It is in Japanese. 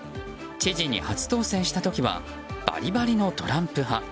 知事に初当選した時はバリバリのトランプ派。